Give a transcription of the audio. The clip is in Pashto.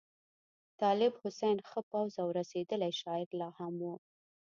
طالب حسین ښه پوخ او رسېدلی شاعر لا هم وو.